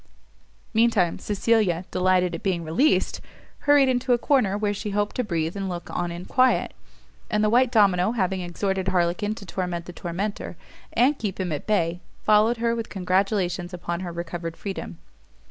Mean time Cecilia, delighted at being released, hurried into a corner, where she hoped to breathe and look on in quiet; and the white domino having exhorted Harlequin to torment the tormentor, and keep him at bay, followed her with congratulations upon her recovered freedom.